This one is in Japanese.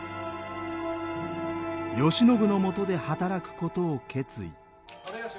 慶喜のもとで働くことを決意。